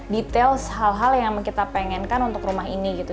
detail hal hal yang kita pengenkan untuk rumah ini gitu